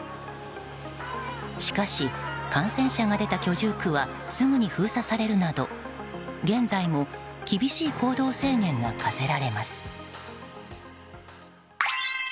しかし感染者が出た居住区はすぐに封鎖されるなど現在も厳しい行動制限が課せられます。